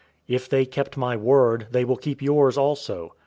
If they kept my word, they will keep yours also.